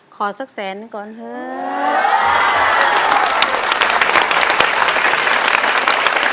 ขอสักแสนก่อนเหิ่ม